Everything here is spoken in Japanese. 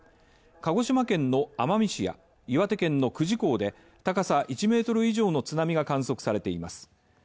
鹿児島県の奄美市や岩手県の久慈港で高さ１ｍ以上の津波が観測されています。